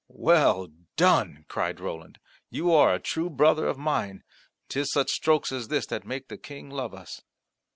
"Well done!" cried Roland; "you are a true brother of mine. 'Tis such strokes as this that make the King love us."